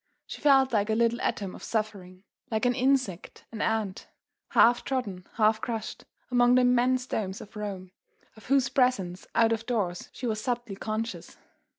She felt like a little atom of suffering, like an insect, an ant, half trodden, half crushed, among the immense domes of Rome, of whose presence out of doors she was subtly conscious.